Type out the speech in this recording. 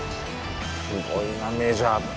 すごいなメジャーって。